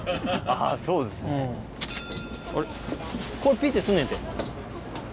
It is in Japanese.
これピッてすんねんて。